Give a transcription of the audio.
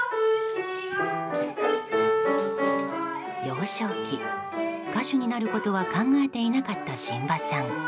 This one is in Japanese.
幼少期、歌手になることは考えていなかった榛葉さん。